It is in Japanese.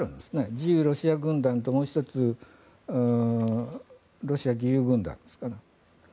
自由ロシア軍団と、もう１つロシア義勇軍団ですか。